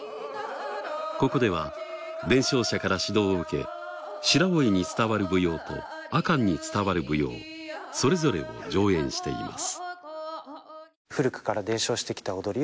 ここでは伝承者から指導を受け白老に伝わる舞踊と阿寒に伝わる舞踊それぞれを上演しています。